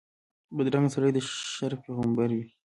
بدرنګه سړی د شر پېغمبر وي